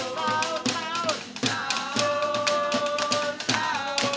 sahur sahur sahur sahur